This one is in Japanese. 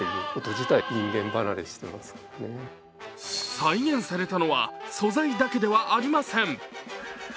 再現されたのは、素材だけではありません。